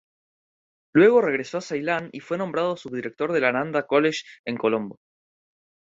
Luego regresó a Ceilán y fue nombrado subdirector del Ananda College en Colombo.